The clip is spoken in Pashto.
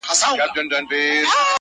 o زه په تیارو کي چي ډېوه ستایمه,